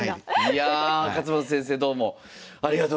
勝又先生どうもありがとうございました。